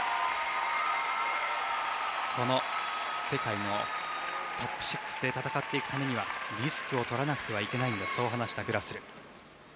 この世界のトップ６で戦っていくためにはリスクを取らなくてはいけないと話したグラスル。